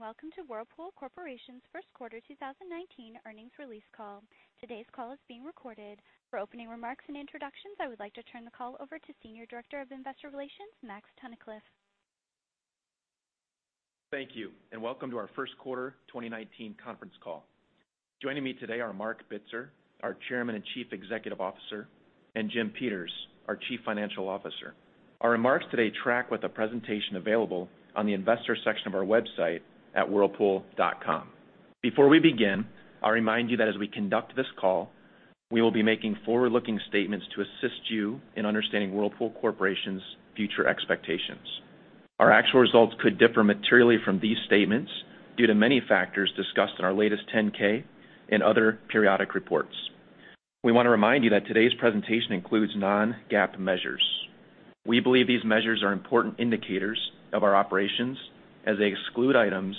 Welcome to Whirlpool Corporation's first quarter 2019 earnings release call. Today's call is being recorded. For opening remarks and introductions, I would like to turn the call over to Senior Director of Investor Relations, Max Tunnicliff. Thank you. Welcome to our first quarter 2019 conference call. Joining me today are Marc Bitzer, our Chairman and Chief Executive Officer, and Jim Peters, our Chief Financial Officer. Our remarks today track with a presentation available on the investor section of our website at whirlpool.com. Before we begin, I'll remind you that as we conduct this call, we will be making forward-looking statements to assist you in understanding Whirlpool Corporation's future expectations. Our actual results could differ materially from these statements due to many factors discussed in our latest 10-K and other periodic reports. We want to remind you that today's presentation includes non-GAAP measures. We believe these measures are important indicators of our operations, as they exclude items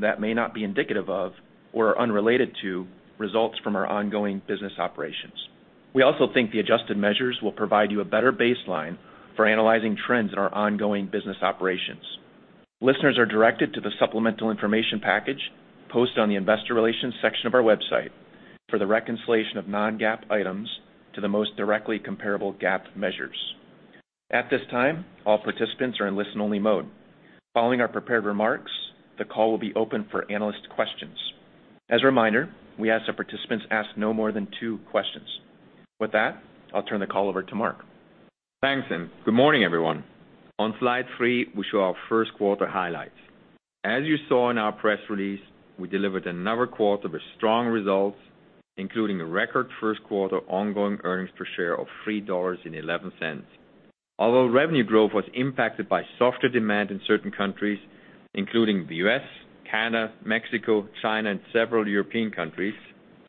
that may not be indicative of or are unrelated to results from our ongoing business operations. We also think the adjusted measures will provide you a better baseline for analyzing trends in our ongoing business operations. Listeners are directed to the supplemental information package posted on the investor relations section of our website for the reconciliation of non-GAAP items to the most directly comparable GAAP measures. At this time, all participants are in listen only mode. Following our prepared remarks, the call will be open for analyst questions. As a reminder, we ask that participants ask no more than two questions. With that, I'll turn the call over to Marc. Thanks. Good morning, everyone. On slide three, we show our first quarter highlights. As you saw in our press release, we delivered another quarter with strong results, including a record first quarter ongoing earnings per share of $3.11. Although revenue growth was impacted by softer demand in certain countries, including the U.S., Canada, Mexico, China, and several European countries,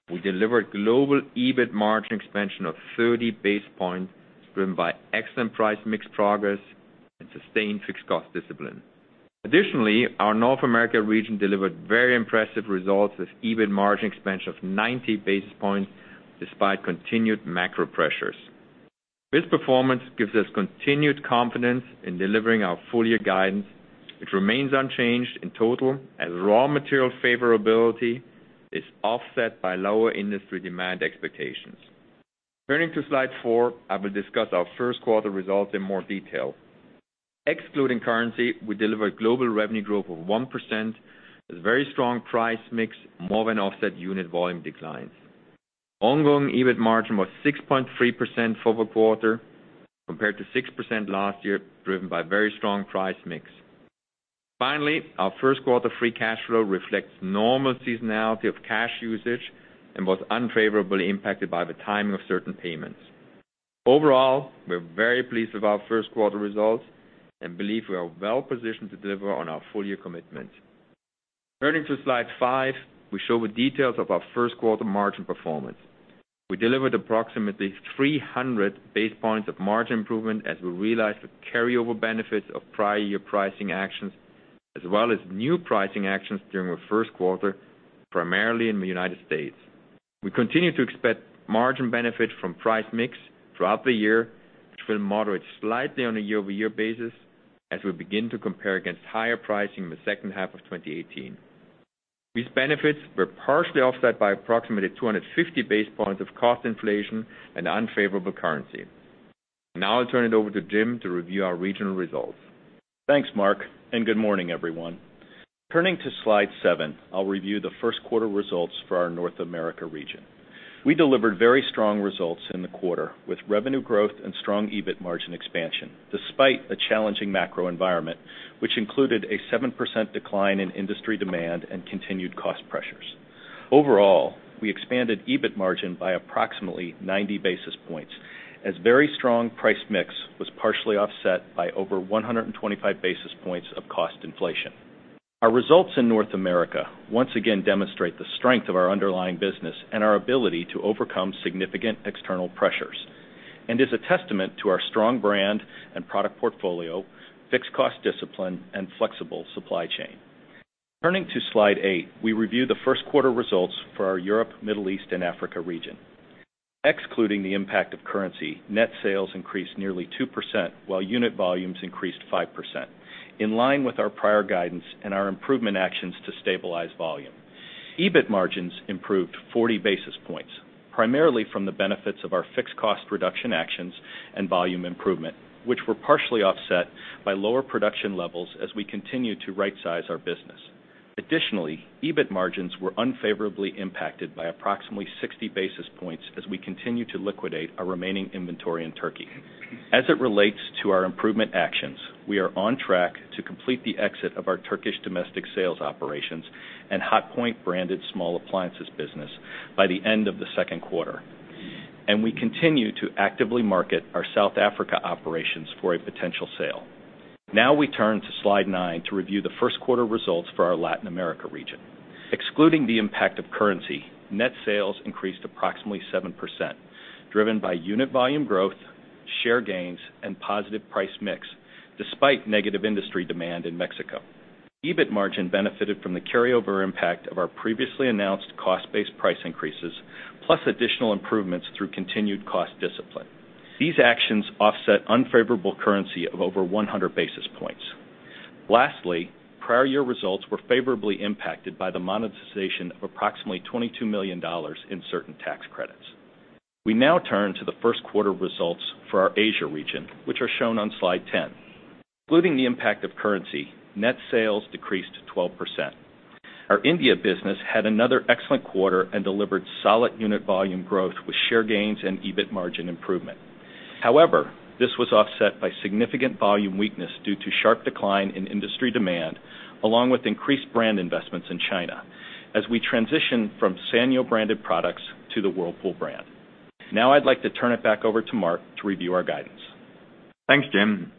we delivered global EBIT margin expansion of 30 basis points, driven by excellent price mix progress and sustained fixed cost discipline. Additionally, our North America region delivered very impressive results with EBIT margin expansion of 90 basis points despite continued macro pressures. This performance gives us continued confidence in delivering our full year guidance, which remains unchanged in total as raw material favorability is offset by lower industry demand expectations. Turning to slide four, I will discuss our first quarter results in more detail. Excluding currency, we delivered global revenue growth of 1% with very strong price mix, more than offset unit volume declines. Ongoing EBIT margin was 6.3% for the quarter, compared to 6% last year, driven by very strong price mix. Finally, our first quarter free cash flow reflects normal seasonality of cash usage and was unfavorably impacted by the timing of certain payments. Overall, we're very pleased with our first quarter results and believe we are well positioned to deliver on our full year commitments. Turning to slide five, we show the details of our first quarter margin performance. We delivered approximately 300 basis points of margin improvement as we realized the carryover benefits of prior year pricing actions, as well as new pricing actions during the first quarter, primarily in the United States. We continue to expect margin benefit from price mix throughout the year, which will moderate slightly on a year-over-year basis as we begin to compare against higher pricing in the second half of 2018. These benefits were partially offset by approximately 250 basis points of cost inflation and unfavorable currency. I'll turn it over to Jim to review our regional results. Thanks, Marc. Good morning, everyone. Turning to slide seven, I'll review the first quarter results for our North America region. We delivered very strong results in the quarter with revenue growth and strong EBIT margin expansion, despite a challenging macro environment, which included a 7% decline in industry demand and continued cost pressures. Overall, we expanded EBIT margin by approximately 90 basis points, as very strong price mix was partially offset by over 125 basis points of cost inflation. Our results in North America once again demonstrate the strength of our underlying business and our ability to overcome significant external pressures and is a testament to our strong brand and product portfolio, fixed cost discipline, and flexible supply chain. Turning to slide eight, we review the first quarter results for our Europe, Middle East, and Africa region. Excluding the impact of currency, net sales increased nearly 2%, while unit volumes increased 5%, in line with our prior guidance and our improvement actions to stabilize volume. EBIT margins improved 40 basis points, primarily from the benefits of our fixed cost reduction actions and volume improvement, which were partially offset by lower production levels as we continue to rightsize our business. Additionally, EBIT margins were unfavorably impacted by approximately 60 basis points as we continue to liquidate our remaining inventory in Turkey. As it relates to our improvement actions, we are on track to complete the exit of our Turkish domestic sales operations and Hotpoint-branded small appliances business by the end of the second quarter. We continue to actively market our South Africa operations for a potential sale. We turn to slide nine to review the first quarter results for our Latin America region. Excluding the impact of currency, net sales increased approximately 7%, driven by unit volume growth, share gains, and positive price mix despite negative industry demand in Mexico. EBIT margin benefited from the carryover impact of our previously announced cost-based price increases, plus additional improvements through continued cost discipline. These actions offset unfavorable currency of over 100 basis points. Lastly, prior year results were favorably impacted by the monetization of approximately $22 million in certain tax credits. We now turn to the first quarter results for our Asia region, which are shown on slide 10. Excluding the impact of currency, net sales decreased 12%. Our India business had another excellent quarter and delivered solid unit volume growth with share gains and EBIT margin improvement. This was offset by significant volume weakness due to sharp decline in industry demand, along with increased brand investments in China, as we transition from Sanyo-branded products to the Whirlpool brand. I'd like to turn it back over to Marc to review our guidance. Thanks, Jim.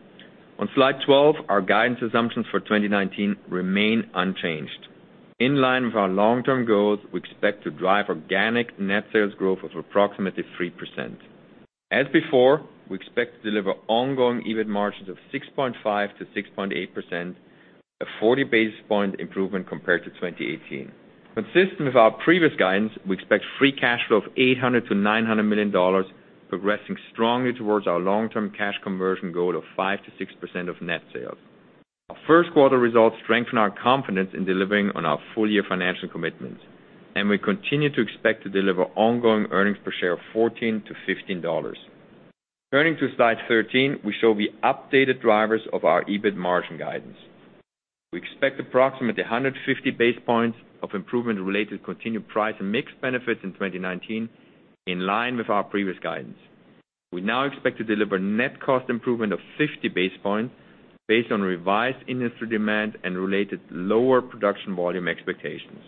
On slide 12, our guidance assumptions for 2019 remain unchanged. In line with our long-term goals, we expect to drive organic net sales growth of approximately 3%. As before, we expect to deliver ongoing EBIT margins of 6.5%-6.8%, a 40 basis point improvement compared to 2018. Consistent with our previous guidance, we expect free cash flow of $800 million-$900 million, progressing strongly towards our long-term cash conversion goal of 5%-6% of net sales. Our first quarter results strengthen our confidence in delivering on our full-year financial commitments, and we continue to expect to deliver ongoing earnings per share of $14-$15. Turning to slide 13, we show the updated drivers of our EBIT margin guidance. We expect approximately 150 basis points of improvement related to continued price and mix benefits in 2019, in line with our previous guidance. We now expect to deliver net cost improvement of 50 basis points based on revised industry demand and related lower production volume expectations.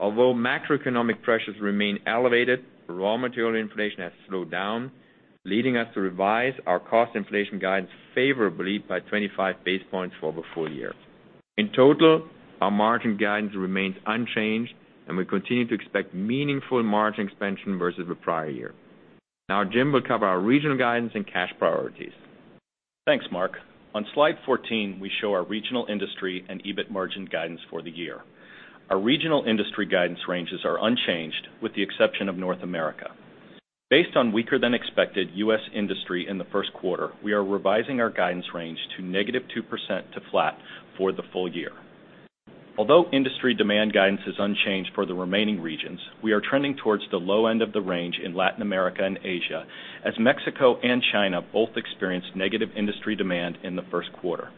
Macroeconomic pressures remain elevated, raw material inflation has slowed down, leading us to revise our cost inflation guidance favorably by 25 basis points for the full year. In total, our margin guidance remains unchanged, and we continue to expect meaningful margin expansion versus the prior year. Jim will cover our regional guidance and cash priorities. Thanks, Marc. On slide 14, we show our regional industry and EBIT margin guidance for the year. Our regional industry guidance ranges are unchanged, with the exception of North America. Based on weaker-than-expected U.S. industry in the first quarter, we are revising our guidance range to -2% to flat for the full year. Although industry demand guidance is unchanged for the remaining regions, we are trending towards the low end of the range in Latin America and Asia, as Mexico and China both experienced negative industry demand in the first quarter.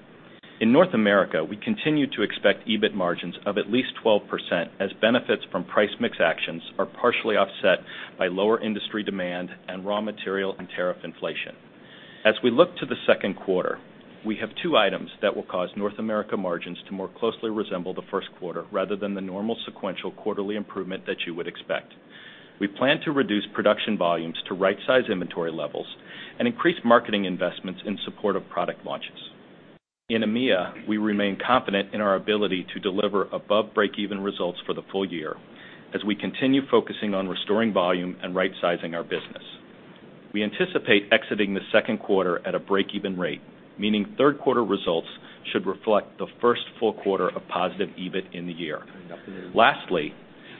In North America, we continue to expect EBIT margins of at least 12% as benefits from price mix actions are partially offset by lower industry demand and raw material and tariff inflation. As we look to the second quarter, we have two items that will cause North America margins to more closely resemble the first quarter rather than the normal sequential quarterly improvement that you would expect. We plan to reduce production volumes to right-size inventory levels and increase marketing investments in support of product launches. In EMEA, we remain confident in our ability to deliver above break-even results for the full year as we continue focusing on restoring volume and rightsizing our business. We anticipate exiting the second quarter at a break-even rate, meaning third quarter results should reflect the first full quarter of positive EBIT in the year. Lastly,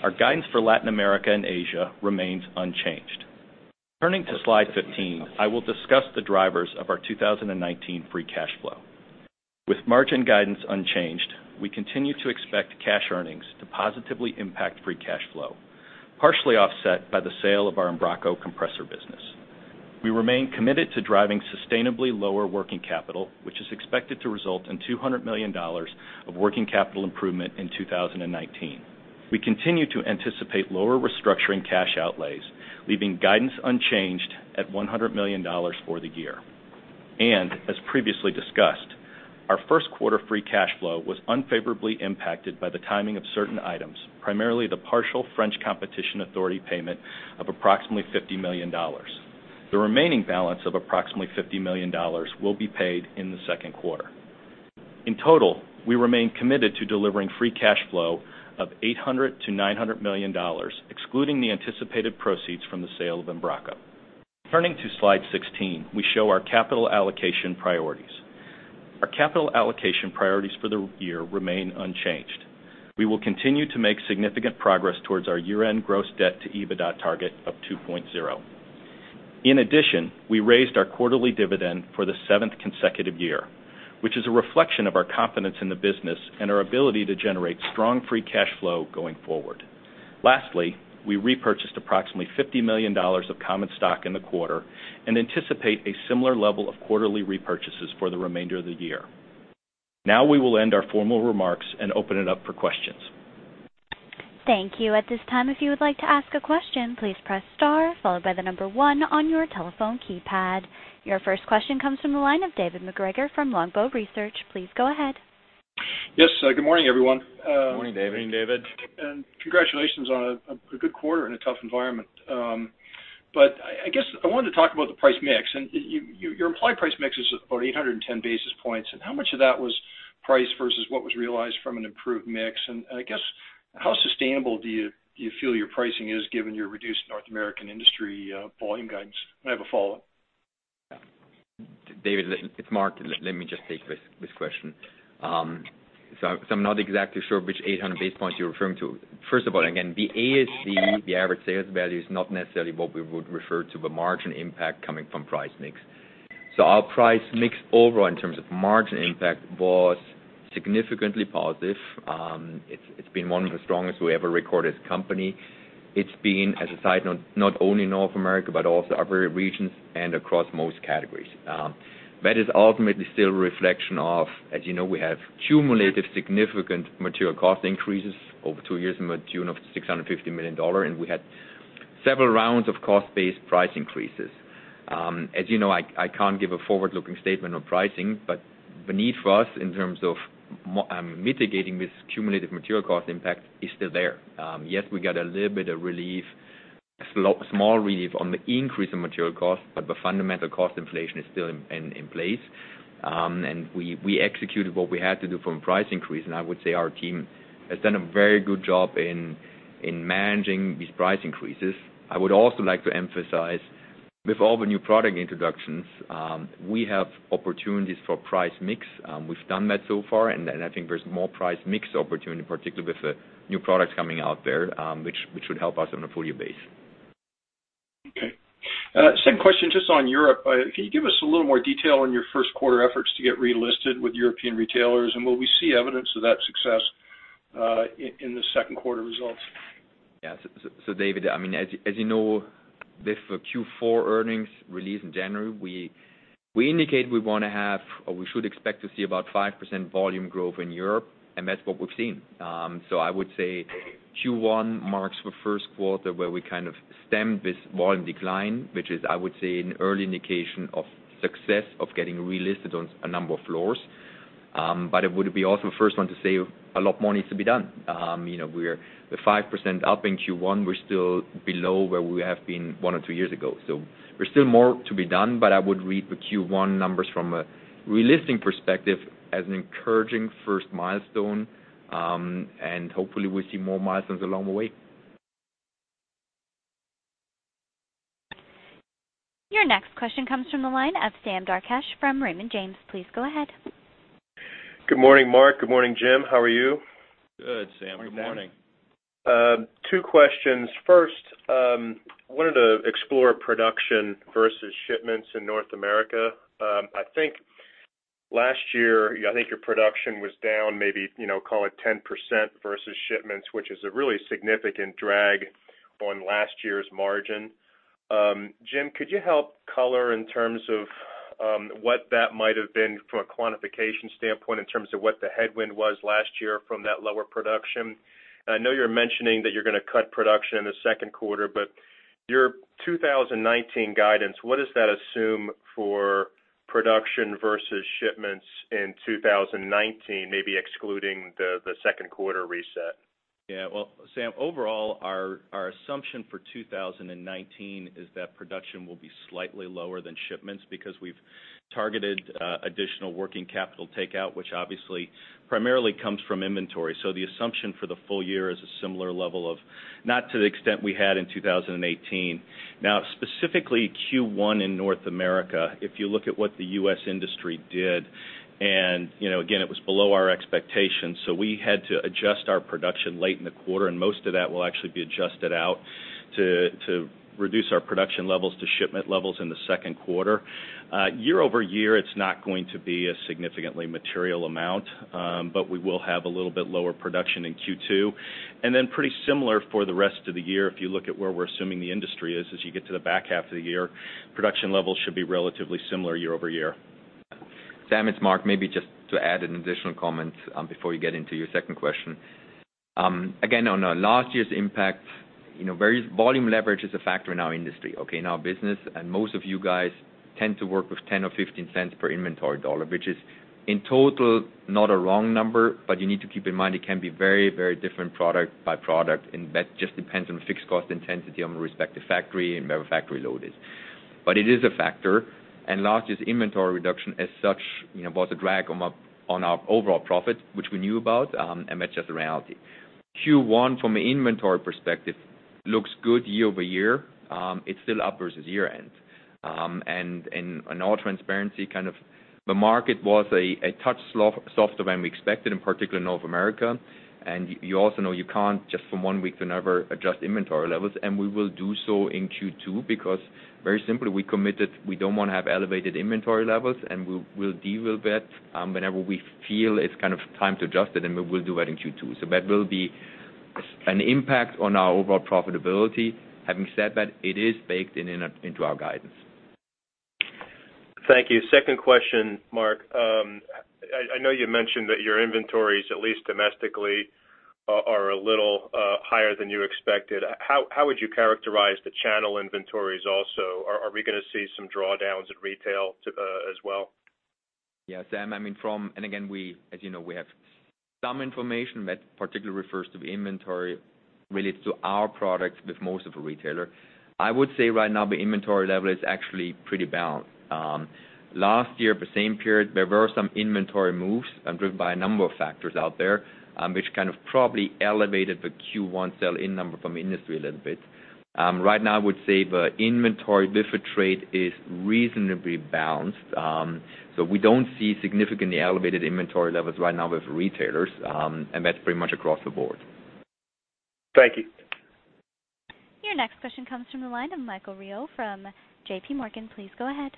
our guidance for Latin America and Asia remains unchanged. Turning to slide 15, I will discuss the drivers of our 2019 free cash flow. With margin guidance unchanged, we continue to expect cash earnings to positively impact free cash flow, partially offset by the sale of our Embraco compressor business. We remain committed to driving sustainably lower working capital, which is expected to result in $200 million of working capital improvement in 2019. We continue to anticipate lower restructuring cash outlays, leaving guidance unchanged at $100 million for the year. As previously discussed, our first quarter free cash flow was unfavorably impacted by the timing of certain items, primarily the partial French Competition Authority payment of approximately $50 million. The remaining balance of approximately $50 million will be paid in the second quarter. In total, we remain committed to delivering free cash flow of $800 million-$900 million, excluding the anticipated proceeds from the sale of Embraco. Our capital allocation priorities for the year remain unchanged. We will continue to make significant progress towards our year-end gross debt to EBITDA target of 2.0. In addition, we raised our quarterly dividend for the seventh consecutive year, which is a reflection of our confidence in the business and our ability to generate strong free cash flow going forward. Lastly, we repurchased approximately $50 million of common stock in the quarter and anticipate a similar level of quarterly repurchases for the remainder of the year. Now we will end our formal remarks and open it up for questions. Thank you. At this time, if you would like to ask a question, please press star followed by the number 1 on your telephone keypad. Your first question comes from the line of David MacGregor from Longbow Research. Please go ahead. Yes. Good morning, everyone. Good morning, David. Good morning, David. Congratulations on a good quarter in a tough environment. I guess I wanted to talk about the price mix, your implied price mix is about 810 basis points, how much of that was price versus what was realized from an improved mix? I guess, how sustainable do you feel your pricing is given your reduced North American industry volume guidance? I have a follow-up. David, it's Marc. Let me just take this question. I'm not exactly sure which 800 basis points you're referring to. First of all, again, the ASP, the average sales value, is not necessarily what we would refer to the margin impact coming from price mix. Our price mix overall in terms of margin impact was significantly positive. It's been one of the strongest we ever recorded as a company. It's been, as a side note, not only in North America, but also other regions and across most categories. That is ultimately still a reflection of, as you know, we have cumulative significant material cost increases over two years in the tune of $650 million, we had several rounds of cost-based price increases. As you know, I can't give a forward-looking statement on pricing, the need for us in terms of mitigating this cumulative material cost impact is still there. Yes, we got a little bit of relief, a small relief on the increase in material cost, the fundamental cost inflation is still in place. We executed what we had to do from a price increase, I would say our team has done a very good job in managing these price increases. I would also like to emphasize with all the new product introductions, we have opportunities for price mix. We've done that so far, I think there's more price mix opportunity, particularly with the new products coming out there, which should help us on a full year base. Okay. Same question just on Europe. Can you give us a little more detail on your first quarter efforts to get relisted with European retailers? Will we see evidence of that success in the second quarter results? Yeah. David, as you know, with the Q4 earnings release in January, we indicated we want to have, or we should expect to see about 5% volume growth in Europe, and that's what we've seen. I would say Q1 marks the first quarter where we kind of stemmed this volume decline, which is, I would say an early indication of success of getting relisted on a number of floors. I would be also the first one to say a lot more needs to be done. The 5% up in Q1, we're still below where we have been one or two years ago. There's still more to be done, but I would read the Q1 numbers from a relisting perspective as an encouraging first milestone. Hopefully we see more milestones along the way. Your next question comes from the line of Sam Darkatsh from Raymond James. Please go ahead. Good morning, Marc. Good morning, Jim. How are you? Good, Sam. Good morning. Two questions. First, I wanted to explore production versus shipments in North America. I think last year, your production was down maybe call it 10% versus shipments, which is a really significant drag on last year's margin. Jim, could you help color in terms of what that might have been from a quantification standpoint in terms of what the headwind was last year from that lower production? I know you're mentioning that you're going to cut production in the second quarter, but your 2019 guidance, what does that assume for production versus shipments in 2019, maybe excluding the second quarter reset? Well, Sam, overall, our assumption for 2019 is that production will be slightly lower than shipments because we've targeted additional working capital takeout, which obviously primarily comes from inventory. The assumption for the full year is a similar level of, not to the extent we had in 2018. Specifically Q1 in North America, if you look at what the U.S. industry did, again, it was below our expectations, we had to adjust our production late in the quarter, and most of that will actually be adjusted out to reduce our production levels to shipment levels in the second quarter. Year-over-year, it's not going to be a significantly material amount. We will have a little bit lower production in Q2. Pretty similar for the rest of the year, if you look at where we're assuming the industry is as you get to the back half of the year, production levels should be relatively similar year-over-year. Sam, it's Marc. Maybe just to add an additional comment before you get into your second question. Again, on last year's impact, volume leverage is a factor in our industry, okay, in our business. Most of you guys tend to work with $0.10 or $0.15 per inventory dollar, which is in total, not a wrong number, you need to keep in mind it can be very different product by product, and that just depends on fixed cost intensity on the respective factory and whatever the factory load is. It is a factor. Last year's inventory reduction as such, was a drag on our overall profit, which we knew about, and that's just a reality. Q1 from an inventory perspective, looks good year-over-year. It's still up versus year end. In all transparency, the market was a touch softer than we expected, in particular in North America. You also know you can't just from one week to another adjust inventory levels, and we will do so in Q2 because very simply, we committed we don't want to have elevated inventory levels, and we'll deal with it whenever we feel it's time to adjust it, and we will do that in Q2. That will be an impact on our overall profitability. Having said that, it is baked into our guidance. Thank you. Second question, Marc. I know you mentioned that your inventories, at least domestically, are a little higher than you expected. How would you characterize the channel inventories also? Are we going to see some drawdowns at retail as well? Yeah, Sam, again, as you know, we have some information that particularly refers to the inventory relates to our products with most of the retailer. I would say right now the inventory level is actually pretty balanced. Last year, at the same period, there were some inventory moves driven by a number of factors out there, which probably elevated the Q1 sell-in number from industry a little bit. Right now, I would say the inventory with the trade is reasonably balanced. We don't see significantly elevated inventory levels right now with retailers, and that's pretty much across the board. Thank you. Your next question comes from the line of Michael Rehaut from JPMorgan. Please go ahead.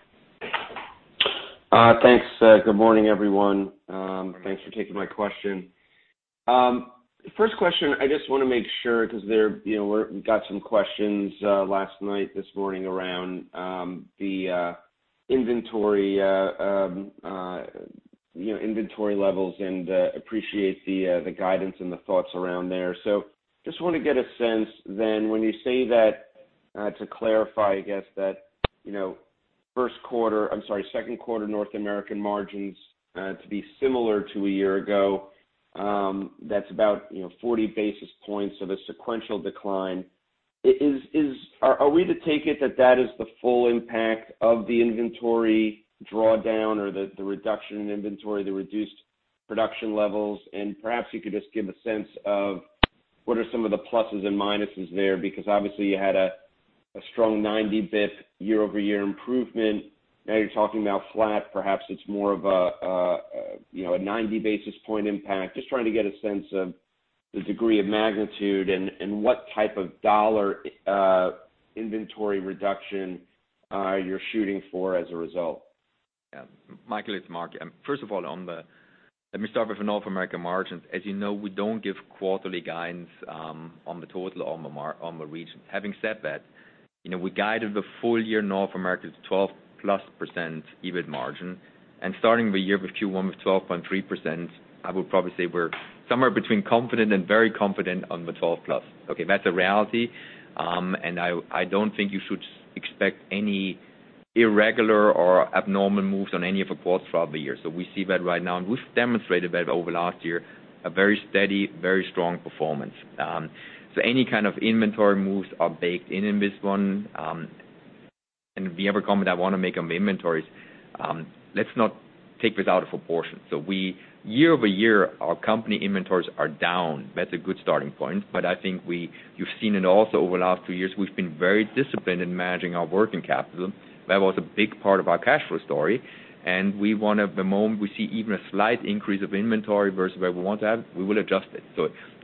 Thanks. Good morning, everyone. Good morning. Thanks for taking my question. First question, I just want to make sure, because we got some questions last night, this morning, around the inventory levels, and appreciate the guidance and the thoughts around there. Just want to get a sense then, when you say that, to clarify, I guess, that second quarter North American margins to be similar to a year ago, that's about 40 basis points of a sequential decline. Are we to take it that that is the full impact of the inventory drawdown or the reduction in inventory, the reduced production levels? Perhaps you could just give a sense of what are some of the pluses and minuses there, because obviously you had a strong 90 basis points year-over-year improvement. Now you're talking about flat, perhaps it's more of a 90 basis point impact. Just trying to get a sense of the degree of magnitude and what type of dollar inventory reduction you're shooting for as a result. Yeah. Michael, it's Marc. First of all, let me start with the North America margins. As you know, we don't give quarterly guidance on the total, on the region. Having said that, we guided the full year North America to 12-plus% EBIT margin, and starting the year with Q1 with 12.3%, I would probably say we're somewhere between confident and very confident on the 12-plus. Okay? That's a reality, I don't think you should expect any irregular or abnormal moves on any of the quarters throughout the year. We see that right now, we've demonstrated that over last year, a very steady, very strong performance. Any kind of inventory moves are baked in in this one. The other comment I want to make on the inventories, let's not take this out of proportion. Year-over-year, our company inventories are down. That's a good starting point. I think you've seen it also over the last two years, we've been very disciplined in managing our working capital. That was a big part of our cash flow story, the moment we see even a slight increase of inventory versus where we want to have, we will adjust it.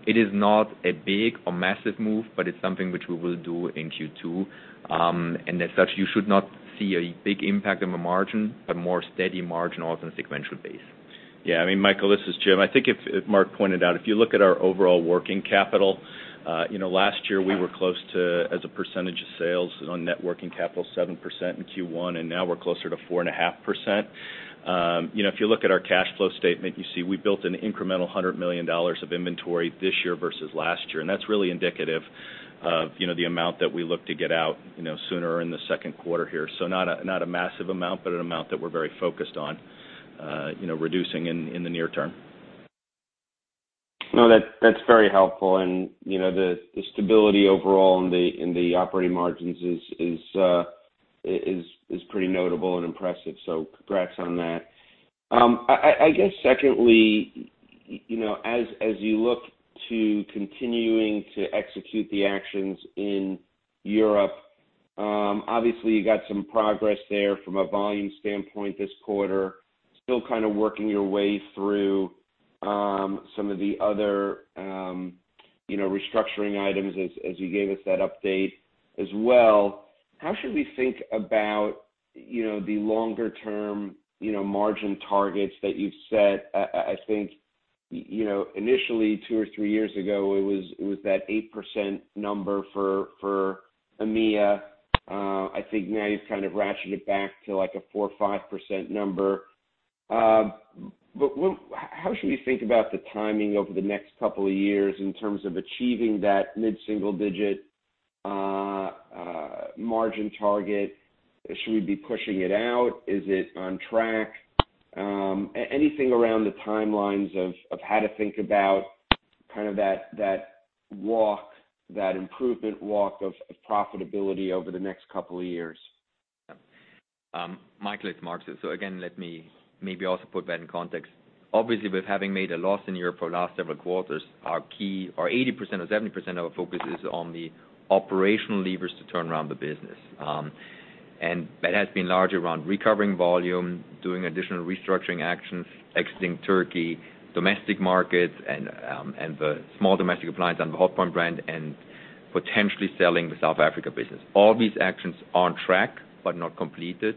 It is not a big or massive move, but it's something which we will do in Q2. As such, you should not see a big impact on the margin, but more steady margin also in sequential base. Michael, this is Jim. I think as Marc pointed out, if you look at our overall working capital, last year we were close to, as a percentage of sales on net working capital, 7% in Q1, now we're closer to 4.5%. If you look at our cash flow statement, you see we built an incremental $100 million of inventory this year versus last year. That's really indicative of the amount that we look to get out sooner in the second quarter here. Not a massive amount, but an amount that we're very focused on reducing in the near term. No, that's very helpful, and the stability overall in the operating margins is pretty notable and impressive. Congrats on that. I guess secondly, as you look to continuing to execute the actions in Europe, obviously you got some progress there from a volume standpoint this quarter. Still kind of working your way through some of the other restructuring items as you gave us that update as well. How should we think about the longer-term margin targets that you've set? I think initially two or three years ago, it was that 8% number for EMEA. I think now you've kind of ratcheted it back to like a 4% or 5% number. How should we think about the timing over the next couple of years in terms of achieving that mid-single digit margin target? Should we be pushing it out? Is it on track? Anything around the timelines of how to think about that walk, that improvement walk of profitability over the next couple of years? Michael, it's Marc. Again, let me maybe also put that in context. Obviously, with having made a loss in Europe for the last several quarters, our key or 80% or 70% of our focus is on the operational levers to turn around the business. That has been largely around recovering volume, doing additional restructuring actions, exiting Turkey, domestic markets, and the small domestic appliance on the Hotpoint brand, and potentially selling the South Africa business. All these actions are on track but not completed.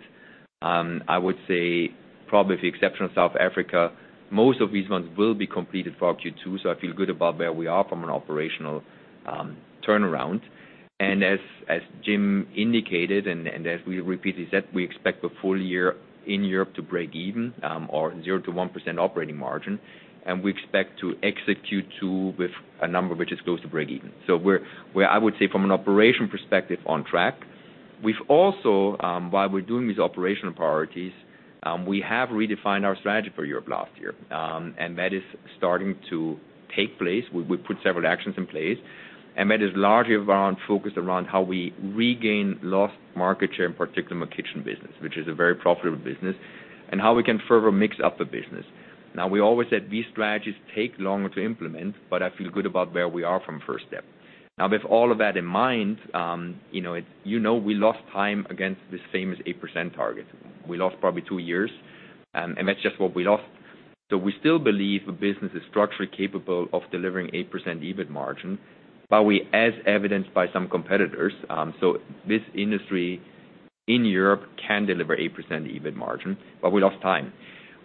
I would say probably with the exception of South Africa, most of these ones will be completed for Q2. I feel good about where we are from an operational turnaround. As Jim indicated, and as we repeated, that we expect the full year in Europe to break even or 0% to 1% operating margin. We expect to execute too with a number which is close to break even. We're, I would say, from an operational perspective, on track. We've also, while we're doing these operational priorities, we have redefined our strategy for Europe last year. That is starting to take place. We put several actions in place, and that is largely around focus around how we regain lost market share, in particular in the kitchen business, which is a very profitable business, and how we can further mix up the business. Now, we always said these strategies take longer to implement, but I feel good about where we are from first step. Now, with all of that in mind, you know we lost time against this famous 8% target. We lost probably two years, and that's just what we lost. We still believe the business is structurally capable of delivering 8% EBIT margin, but we, as evidenced by some competitors, this industry in Europe can deliver 8% EBIT margin, but we lost time.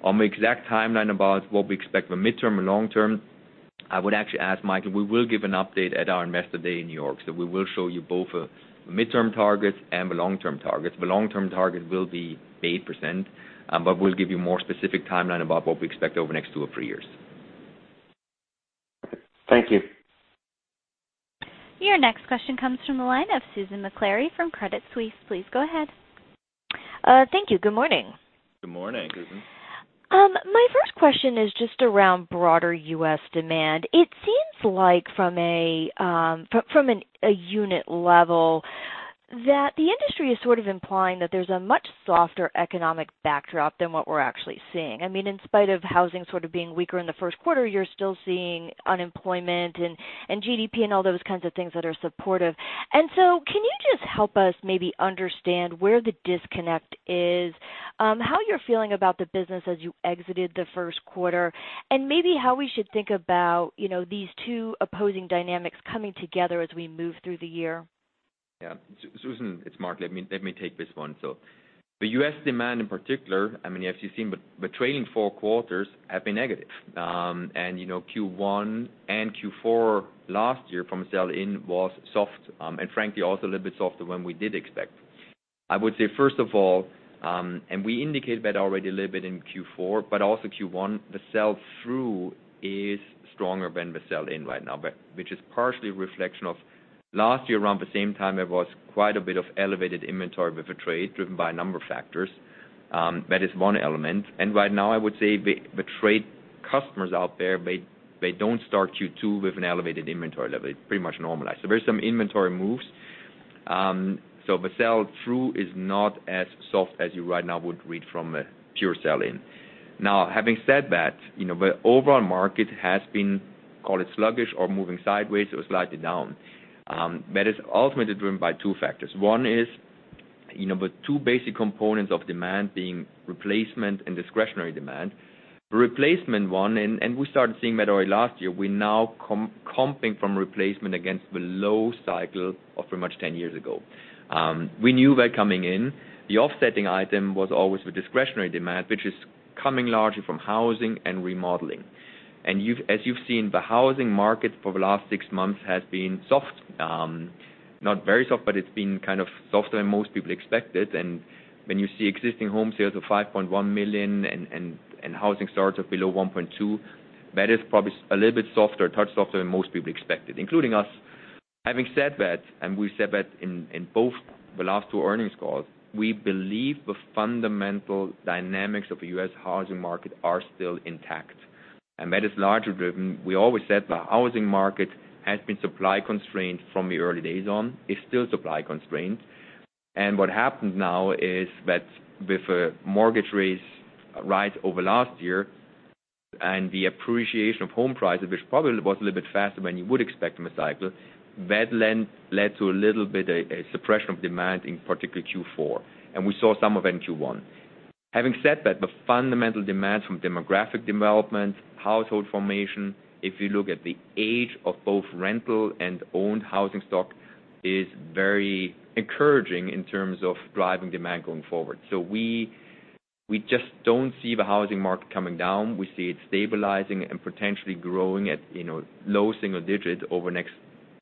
On the exact timeline about what we expect for midterm and long term, I would actually ask Michael. We will give an update at our Investor Day in New York. We will show you both midterm targets and the long-term targets. The long-term target will be 8%, but we'll give you more specific timeline about what we expect over the next two or three years. Thank you. Your next question comes from the line of Susan Maklari from Credit Suisse. Please go ahead. Thank you. Good morning. Good morning, Susan. My first question is just around broader U.S. demand. It seems like from a unit level that the industry is sort of implying that there's a much softer economic backdrop than what we're actually seeing. I mean, in spite of housing sort of being weaker in the first quarter, you're still seeing unemployment and GDP and all those kinds of things that are supportive. Can you just help us maybe understand where the disconnect is, how you're feeling about the business as you exited the first quarter, and maybe how we should think about these two opposing dynamics coming together as we move through the year? Yeah. Susan, it's Marc. Let me take this one. The U.S. demand in particular, as you've seen, the trailing four quarters have been negative. Q1 and Q4 last year from a sell-in was soft and frankly, also a little bit softer than we did expect. I would say, first of all, and we indicated that already a little bit in Q4, but also Q1, the sell-through is stronger than the sell-in right now, which is partially a reflection of last year around the same time, there was quite a bit of elevated inventory with the trade driven by a number of factors. That is one element. Right now I would say the trade customers out there, they don't start Q2 with an elevated inventory level. It's pretty much normalized. There's some inventory moves. The sell-through is not as soft as you right now would read from a pure sell-in. Now, having said that, the overall market has been, call it sluggish or moving sideways or slightly down. That is ultimately driven by two factors. One is the two basic components of demand being replacement and discretionary demand. The replacement one, and we started seeing that already last year, we now comping from replacement against the low cycle of pretty much 10 years ago. We knew that coming in. The offsetting item was always the discretionary demand, which is coming largely from housing and remodeling. As you've seen, the housing market for the last six months has been soft. Not very soft, but it's been kind of softer than most people expected. When you see existing home sales of 5.1 million and housing starts of below 1.2 million, that is probably a little bit softer, a touch softer than most people expected, including us. Having said that, and we said that in both the last two earnings calls, we believe the fundamental dynamics of the U.S. housing market are still intact. That is largely driven. We always said the housing market has been supply constrained from the early days on. It's still supply constrained. What happened now is that with mortgage rates rise over last year and the appreciation of home prices, which probably was a little bit faster than you would expect in the cycle, that led to a little bit a suppression of demand in particularly Q4. We saw some of it in Q1. Having said that, the fundamental demands from demographic development, household formation, if you look at the age of both rental and owned housing stock, is very encouraging in terms of driving demand going forward. We just don't see the housing market coming down. We see it stabilizing and potentially growing at low single digits over the next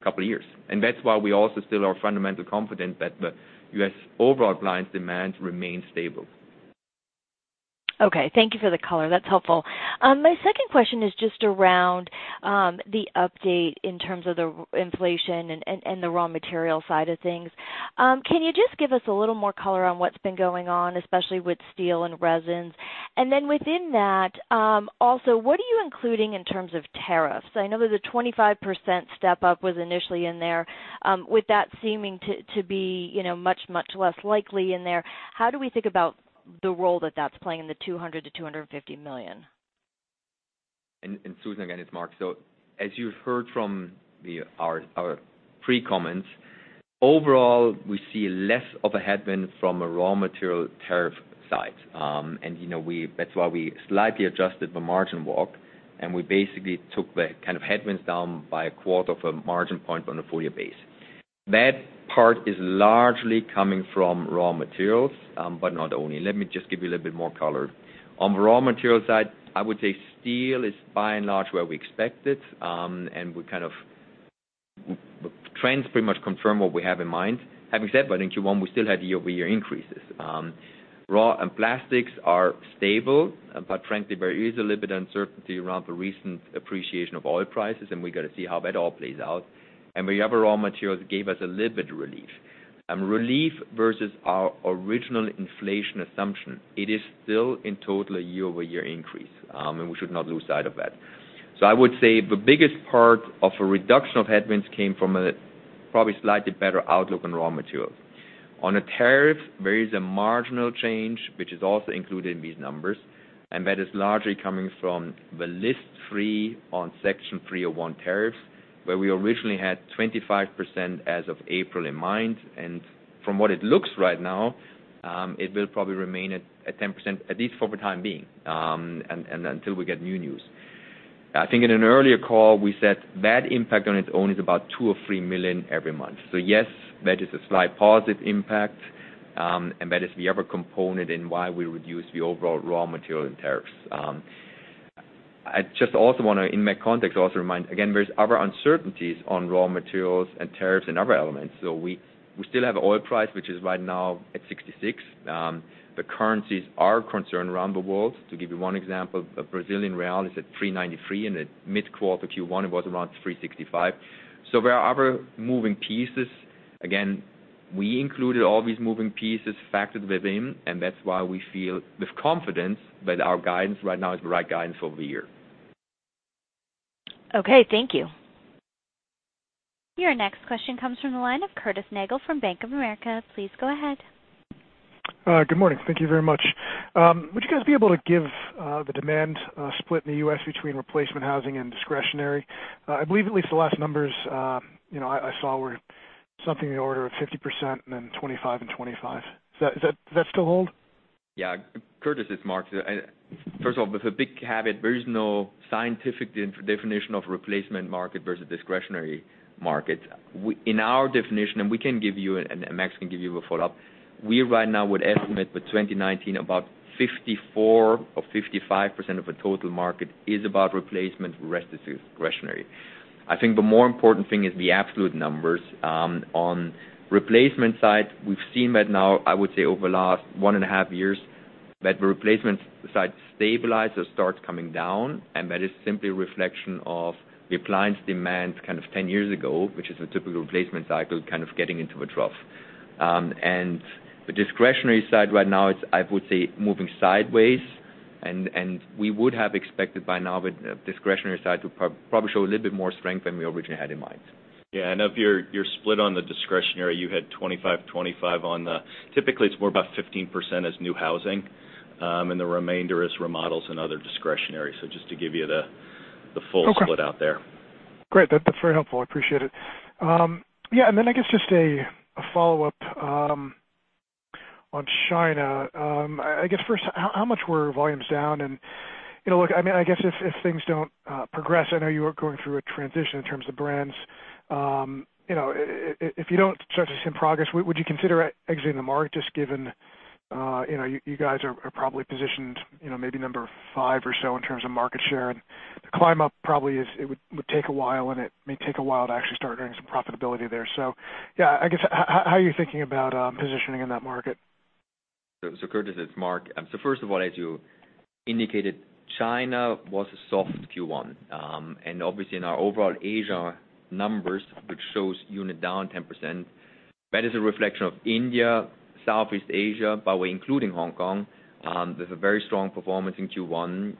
couple of years. That's why we also still are fundamentally confident that the U.S. overall appliance demand remains stable. Okay. Thank you for the color. That's helpful. My second question is just around the update in terms of the inflation and the raw material side of things. Can you just give us a little more color on what's been going on, especially with steel and resins? Then within that, also, what are you including in terms of tariffs? I know there's a 25% step up was initially in there. With that seeming to be much, much less likely in there, how do we think about the role that that's playing in the $200 million-$250 million? Susan, again, it's Mark. As you've heard from our pre-comments, overall, we see less of a headwind from a raw material tariff side. That's why we slightly adjusted the margin walk. We basically took the kind of headwinds down by a quarter of a margin point on a full year base. That part is largely coming from raw materials, but not only. Let me just give you a little bit more color. On the raw material side, I would say steel is by and large where we expected, and trends pretty much confirm what we have in mind. Having said that, in Q1, we still had year-over-year increases. Raw and plastics are stable, frankly, there is a little bit of uncertainty around the recent appreciation of oil prices, and we got to see how that all plays out. The other raw materials gave us a little bit of relief. Relief versus our original inflation assumption, it is still in total a year-over-year increase, and we should not lose sight of that. I would say the biggest part of a reduction of headwinds came from a probably slightly better outlook on raw materials. On a tariff, there is a marginal change, which is also included in these numbers, and that is largely coming from the List 3 on Section 301 tariffs, where we originally had 25% as of April in mind. From what it looks right now, it will probably remain at 10%, at least for the time being, and until we get new news. I think in an earlier call, we said that impact on its own is about $2 million or $3 million every month. Yes, that is a slight positive impact, and that is the other component in why we reduced the overall raw material and tariffs. I just also want to, in that context, also remind, again, there are other uncertainties on raw materials and tariffs and other elements. We still have oil price, which is right now at 66. The currencies are a concern around the world. To give you one example, the Brazilian real is at 393, and at mid-quarter Q1 it was around 365. There are other moving pieces. Again, we included all these moving pieces factored within, and that's why we feel with confidence that our guidance right now is the right guidance for the year. Okay, thank you. Your next question comes from the line of Curtis Nagle from Bank of America. Please go ahead. Good morning. Thank you very much. Would you guys be able to give the demand split in the U.S. between replacement housing and discretionary? I believe at least the last numbers I saw were something in the order of 50% and then 25% and 25%. Does that still hold? Yeah. Curtis, it's Marc. First of all, with a big caveat, there is no scientific definition of replacement market versus discretionary market. In our definition, and we can give you, and Max can give you a follow-up, we right now would estimate for 2019, about 54% or 55% of the total market is about replacement, the rest is discretionary. I think the more important thing is the absolute numbers. On replacement side, we've seen that now, I would say over the last one and a half years, that the replacement side stabilized or start coming down, and that is simply a reflection of the appliance demand kind of 10 years ago, which is a typical replacement cycle, kind of getting into a trough. The discretionary side right now, it's, I would say, moving sideways. We would have expected by now the discretionary side to probably show a little bit more strength than we originally had in mind. Yeah, I know if you're split on the discretionary, you had 25/25. Typically it's more about 15% is new housing, the remainder is remodels and other discretionary. Just to give you the full split out there. Okay. Great. That's very helpful. I appreciate it. I guess just a follow-up on China. I guess first, how much were volumes down? Look, I guess if things don't progress, I know you are going through a transition in terms of brands. If you don't start to see progress, would you consider exiting the market, just given you guys are probably positioned maybe number 5 or so in terms of market share, and the climb up probably would take a while, and it may take a while to actually start getting some profitability there. I guess, how are you thinking about positioning in that market? Curtis, it's Marc. First of all, as you indicated, China was a soft Q1. Obviously in our overall Asia numbers, which shows unit down 10%, that is a reflection of India, Southeast Asia, by the way, including Hong Kong, with a very strong performance in Q1.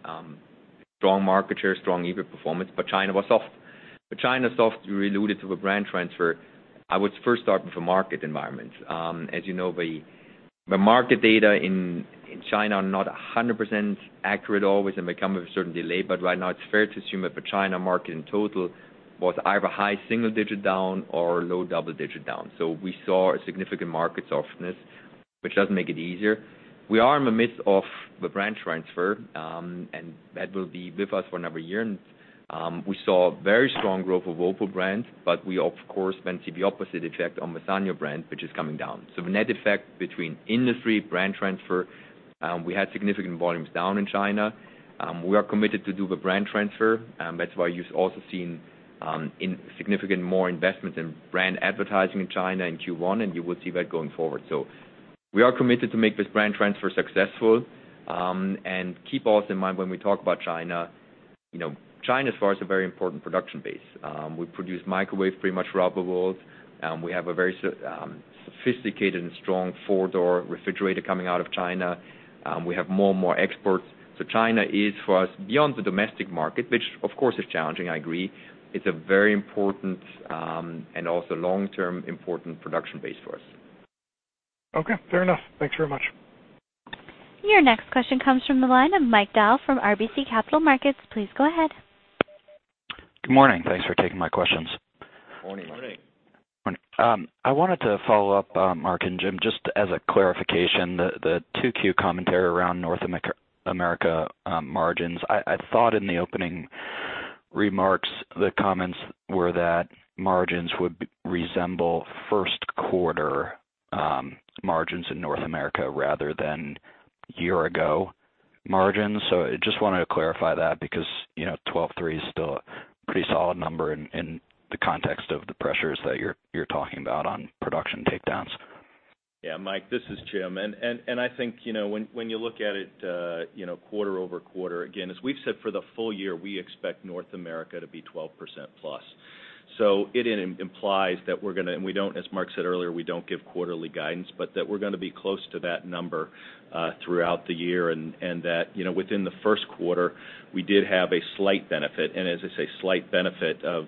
Strong market share, strong EBIT performance, China was soft. China soft, you alluded to the brand transfer. I would first start with the market environment. As you know, the market data in China are not 100% accurate always and may come with a certain delay, but right now it's fair to assume that the China market in total was either high single digit down or low double digit down. We saw a significant market softness, which doesn't make it easier. We are in the midst of the brand transfer, and that will be with us for another year. We saw very strong growth of Whirlpool brand, but we, of course, then see the opposite effect on the Sanyo brand, which is coming down. The net effect between industry, brand transfer, we had significant volumes down in China. We are committed to do the brand transfer. That's why you've also seen significant more investment in brand advertising in China in Q1, and you will see that going forward. We are committed to make this brand transfer successful. Keep also in mind, when we talk about China for us, a very important production base. We produce microwaves pretty much for the whole world. We have a very sophisticated and strong four-door refrigerator coming out of China. We have more and more exports. China is, for us, beyond the domestic market, which of course is challenging, I agree. It's a very important, and also long-term important production base for us. Okay. Fair enough. Thanks very much. Your next question comes from the line of Mike Dahl from RBC Capital Markets. Please go ahead. Good morning. Thanks for taking my questions. Morning. Morning. Morning. I wanted to follow up, Marc and Jim, just as a clarification, the 2Q commentary around North America margins. I thought in the opening remarks, the comments were that margins would resemble first quarter margins in North America rather than year-ago margins. I just wanted to clarify that because 12 three is still a pretty solid number in the context of the pressures that you're talking about on production takedowns. Mike, this is Jim. I think when you look at it quarter-over-quarter, again, as we've said for the full year, we expect North America to be 12% plus. It implies that we're going to, and as Marc said earlier, we don't give quarterly guidance, but that we're going to be close to that number throughout the year. That within the first quarter, we did have a slight benefit, and as I say, slight benefit of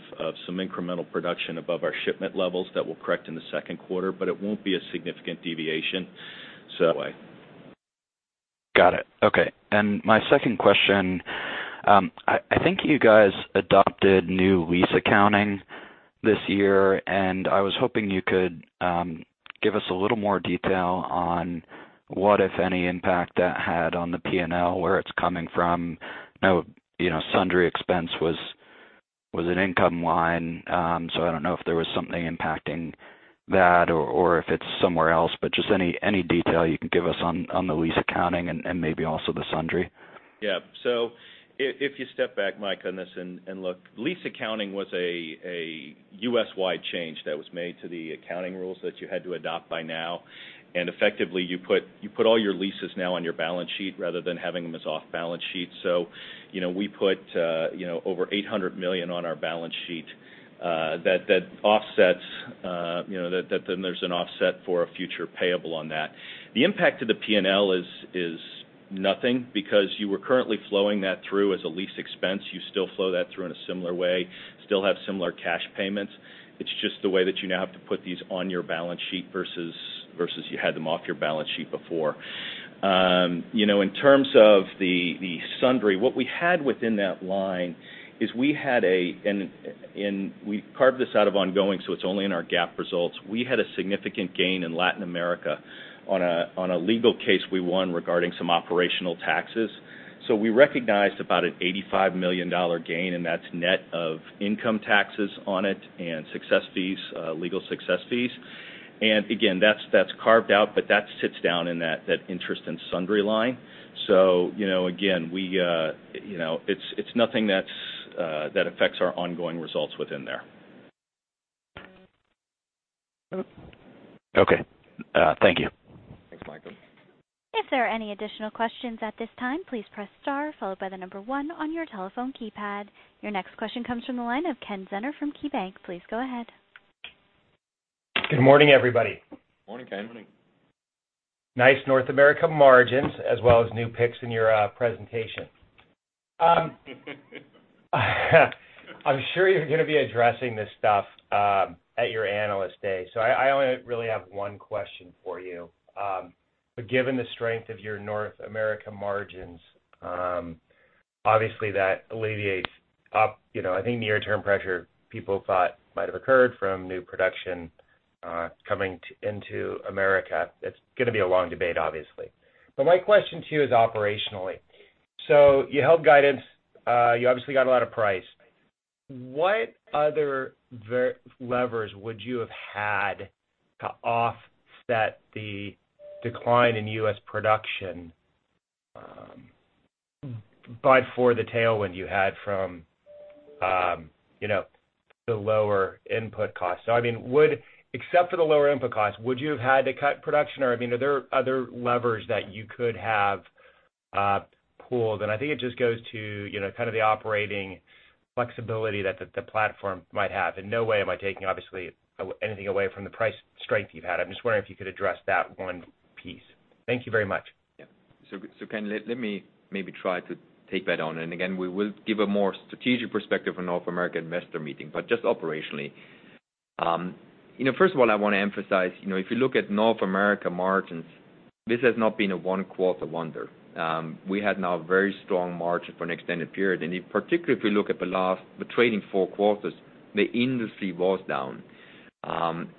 some incremental production above our shipment levels that will correct in the second quarter, but it won't be a significant deviation. Got it. Okay. My second question, I think you guys adopted new lease accounting this year, I was hoping you could give us a little more detail on what, if any, impact that had on the P&L, where it's coming from. I know sundry expense was an income line, I don't know if there was something impacting that or if it's somewhere else. Just any detail you can give us on the lease accounting and maybe also the sundry. Yeah. If you step back, Mike, on this and look, lease accounting was a U.S.-wide change that was made to the accounting rules that you had to adopt by now. Effectively, you put all your leases now on your balance sheet rather than having them as off balance sheet. We put over $800 million on our balance sheet that offsets, that then there's an offset for a future payable on that. The impact to the P&L is nothing because you were currently flowing that through as a lease expense. You still flow that through in a similar way, still have similar cash payments. It's just the way that you now have to put these on your balance sheet versus you had them off your balance sheet before. In terms of the sundry, what we had within that line is we had. We carved this out of ongoing, it's only in our GAAP results. We had a significant gain in Latin America on a legal case we won regarding some operational taxes. We recognized about an $85 million gain, that's net of income taxes on it and success fees, legal success fees. Again, that's carved out, that sits down in that interest and sundry line. Again, it's nothing that affects our ongoing results within there. Okay. Thank you. Thanks, Michael. If there are any additional questions at this time, please press star followed by the number one on your telephone keypad. Your next question comes from the line of Kenneth Zener from KeyBanc. Please go ahead. Good morning, everybody. Morning, Ken. Morning. Nice North America margins as well as new picks in your presentation. I'm sure you're going to be addressing this stuff at your Analyst Day, so I only really have one question for you. Given the strength of your North America margins, obviously that alleviates up, I think near-term pressure people thought might have occurred from new production coming into the U.S. It's going to be a long debate, obviously. My question to you is operationally. You held guidance. You obviously got a lot of price. What other levers would you have had to offset the decline in U.S. production by for the tailwind you had from the lower input cost? I mean, except for the lower input cost, would you have had to cut production or are there other levers that you could have pulled? I think it just goes to kind of the operating flexibility that the platform might have. In no way am I taking, obviously, anything away from the price strength you've had. I'm just wondering if you could address that one piece. Thank you very much. Ken, let me maybe try to take that on. Again, we will give a more strategic perspective on North America Investor Meeting, just operationally. First of all, I want to emphasize, if you look at North America margins, this has not been a one quarter wonder. We had now very strong margin for an extended period. In particular, if you look at the trading four quarters, the industry was down.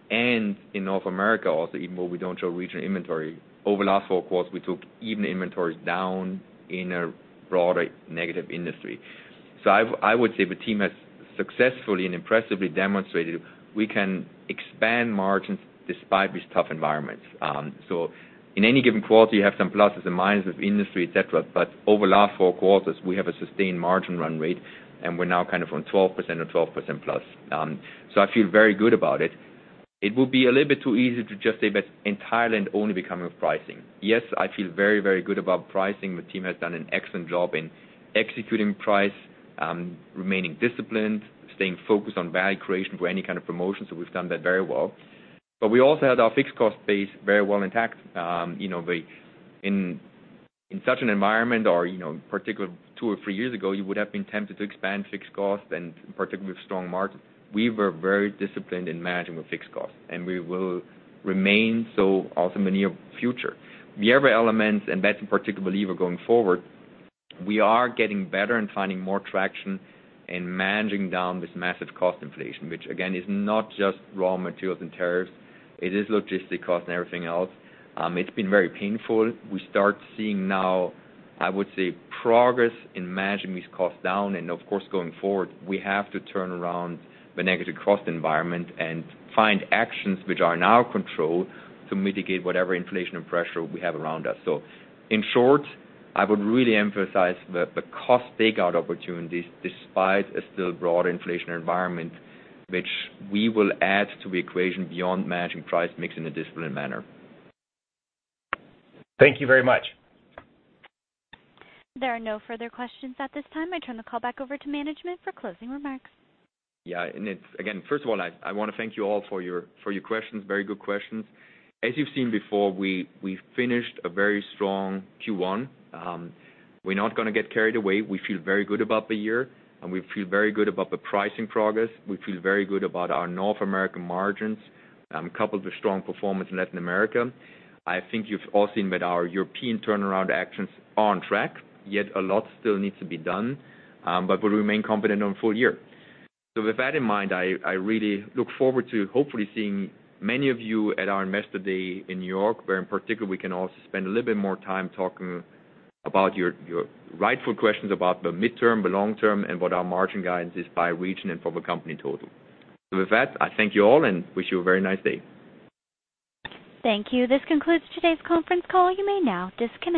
In North America also, even though we don't show regional inventory, over last four quarters, we took even inventories down in a broader negative industry. I would say the team has successfully and impressively demonstrated we can expand margins despite these tough environments. In any given quarter, you have some pluses and minuses of industry, et cetera. Over last four quarters, we have a sustained margin run rate and we're now kind of on 12% or 12% plus. I feel very good about it. It will be a little bit too easy to just say that entirely and only becoming of pricing. Yes, I feel very, very good about pricing. The team has done an excellent job in executing price, remaining disciplined, staying focused on value creation for any kind of promotions. We've done that very well. We also had our fixed cost base very well intact. In such an environment or in particular two or three years ago, you would have been tempted to expand fixed cost and particularly with strong margin. We were very disciplined in managing the fixed cost and we will remain so also in the near future. The other elements and that's in particular lever going forward, we are getting better in finding more traction in managing down this massive cost inflation, which again is not just raw materials and tariffs. It is logistic cost and everything else. It's been very painful. We start seeing now, I would say progress in managing these costs down and of course going forward, we have to turn around the negative cost environment and find actions which are in our control to mitigate whatever inflation and pressure we have around us. In short, I would really emphasize the cost takeout opportunities despite a still broader inflationary environment, which we will add to the equation beyond managing price mix in a disciplined manner. Thank you very much. There are no further questions at this time. I turn the call back over to management for closing remarks. Yeah. Again, first of all, I want to thank you all for your questions. Very good questions. As you've seen before, we finished a very strong Q1. We're not going to get carried away. We feel very good about the year and we feel very good about the pricing progress. We feel very good about our North America margins, coupled with strong performance in Latin America. I think you've all seen that our European turnaround actions are on track, yet a lot still needs to be done. We remain confident on full year. With that in mind, I really look forward to hopefully seeing many of you at our Investor Day in New York, where in particular we can also spend a little bit more time talking about your rightful questions about the midterm, the long term, and what our margin guidance is by region and for the company total. With that, I thank you all and wish you a very nice day. Thank you. This concludes today's conference call. You may now disconnect.